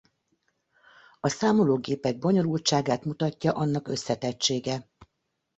A számológépek bonyolultságát mutatja annak összetettsége.